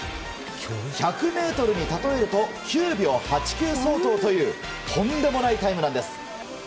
１００ｍに例えると９秒８９相当というとんでもないタイムなんです。